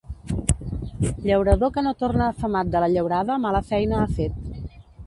Llaurador que no torna afamat de la llaurada mala feina ha fet.